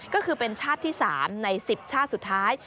ก็คือเป็นชาติที่๓ใน๑๐ชาติสุดท้าย